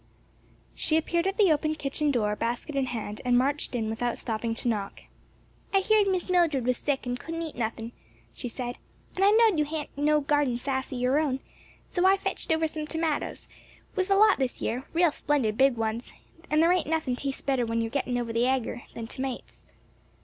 She appeared at the open kitchen door basket in hand, and marched in without stopping to knock. "I heerd Miss Mildred was sick and couldn't eat nothin'," she said; "and I knowed you hadn't no garden sass o' your own; so I fetched over some tomats; we have a lot this year, real splendid big ones, and there ain't nothin' tastes better when you're gettin' over the agur, than tomats.